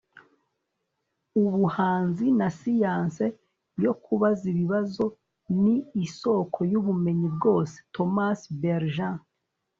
ubuhanzi na siyanse yo kubaza ibibazo ni isoko y'ubumenyi bwose. - thomas berger